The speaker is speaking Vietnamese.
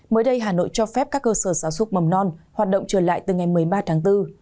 mới đây hà nội cho phép các cơ sở giáo dục mầm non hoạt động trở lại từ ngày một mươi ba tháng bốn